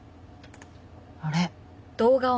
あれ？